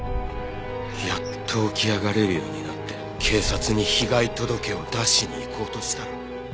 やっと起き上がれるようになって警察に被害届を出しに行こうとしたら。